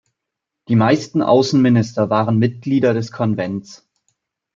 Die meisten Außenminister waren Mitglieder des Konvents.